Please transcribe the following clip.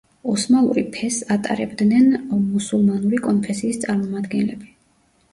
ოსმალური ფესს ატარებდნენ მუსულმანური კონფესიის წარმომადგენლები.